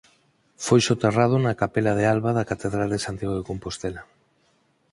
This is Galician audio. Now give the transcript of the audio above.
Foi soterrado na capela de Alva da Catedral de Santiago de Compostela.